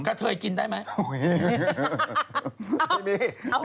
เทยกินได้ไหม